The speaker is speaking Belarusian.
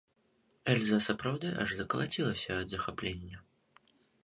Эльза сапраўды аж закалацілася ад захаплення.